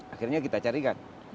akhirnya kita carikan